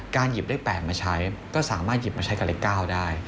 หยิบเลข๘มาใช้ก็สามารถหยิบมาใช้กับเลข๙ได้